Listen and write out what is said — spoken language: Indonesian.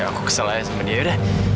aku kesal aja sama dia yaudah